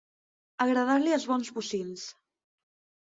Agradar-li els bons bocins.